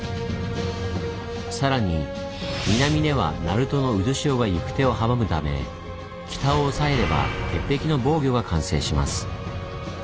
さらに南では鳴門の渦潮が行く手を阻むため北をおさえれば鉄壁の防御が完成します。